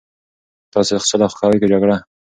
تاسي سوله خوښوئ که جګړه؟